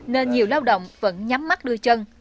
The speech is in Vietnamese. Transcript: nên nhiều lao động vẫn nhắm mắt đưa chân